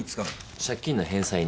借金の返済に。